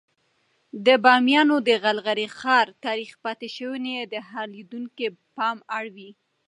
د بامیانو د غلغلي ښار تاریخي پاتې شونې د هر لیدونکي پام اړوي.